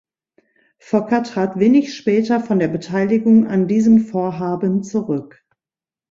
Fokker trat wenig später von der Beteiligung an diesem Vorhaben zurück.